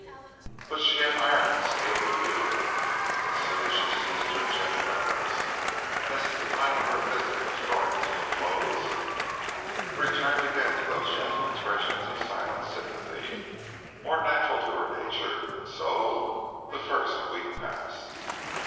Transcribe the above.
"But she had iron and steel to deal with and she soon ceased her gentle efforts, and as the time of her visit was drawing to a close, returned again to those gentle expressions of silent sympathy more natural to her nature; and so the first week passed.